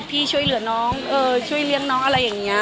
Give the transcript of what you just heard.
ช่วยเหลือน้องช่วยเลี้ยงน้องอะไรอย่างนี้